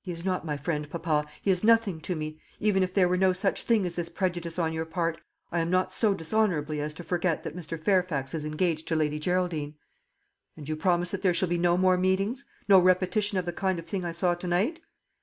"He is not my friend, papa; he is nothing to me. Even it there were no such thing as this prejudice on your part, I am not so dishonourable as to forget that Mr. Fairfax is engaged to Lady Geraldine." "And you promise that there shall be no more meetings, no repetition of the kind of thing I saw to night?"